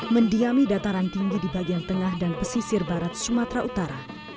mendiami dataran tinggi di bagian tengah dan pesisir barat sumatera utara